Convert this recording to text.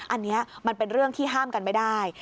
อันนี้มันเป็นเรื่องที่ห้ามกันไม่ได้